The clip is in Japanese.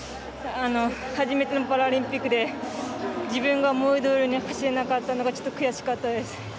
初めてのパラリンピックで自分が思いどおりに走れなかったのがちょっと悔しかったです。